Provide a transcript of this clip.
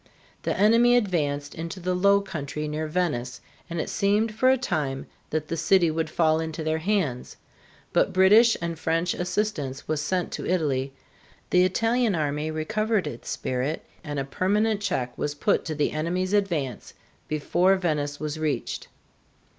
The enemy advanced into the low country near Venice, and it seemed for a time that the city would fall into their hands. But British and French assistance was sent to Italy, the Italian army recovered its spirit, and a permanent check was put to the enemy's advance before Venice was reached.